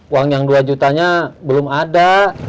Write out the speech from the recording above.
uang yang dua jutanya belum ada